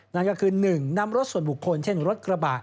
นั่นก็คือ๑นำรถส่วนบุคคลเช่นรถกระบะ